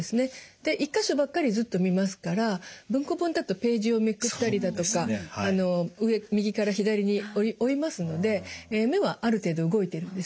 で１か所ばっかりずっと見ますから文庫本だとページをめくったりだとか右から左に追いますので目はある程度動いてるんです。